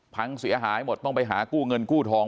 พังเสียหายหมดต้องไปหากู้เงินกู้ทอง